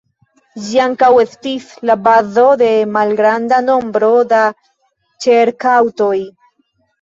Ĝi ankaŭ estis la bazo de malgranda nombro da ĉerk-aŭtoj.